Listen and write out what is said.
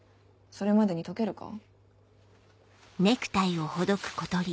それまでに解けるか？